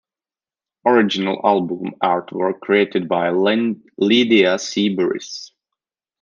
Original album artwork created by Lydia C. Burris.